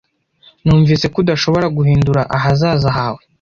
Numvise ko udashobora guhindura ahazaza hawe.